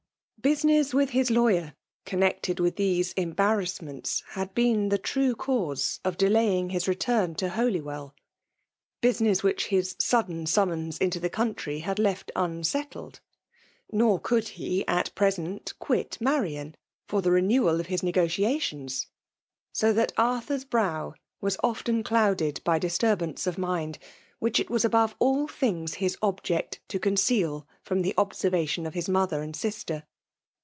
' Business with his lawyer, connected with Aese embarrtuurments, had been the true isaise of d^aying Im return to Holywell; Uoanness wlikh his sodden summons into the eoulitry had left unsettled; nor could he, at present, quit Marian, for* the renewal of his ilegoeiaftions ; so that Ar^nr*s brow was $ FBMAtE DQMlKAnOH. foften .douded by disturbance of muid> wiuek it was above all tbings bis object to oonoeal finom the observation of hisinother and sister.